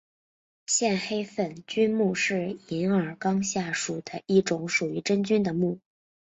线黑粉菌目是银耳纲下属的一种属于真菌的目。